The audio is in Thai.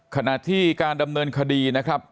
ขณะที่การดำเนินคดีนะครับ